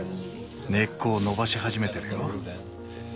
根っこを伸ばし始めてるよ。